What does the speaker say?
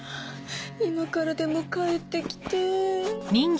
今からでも帰って来て。